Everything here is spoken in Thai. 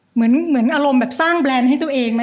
เหมือนอารมณ์แบบสร้างแบรนด์ให้ตัวเองไหม